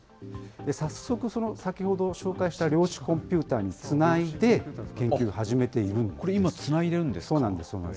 早速、先ほど紹介した量子コンピューターにつないで研究始めていこれ、今つないでるんですかそうなんです。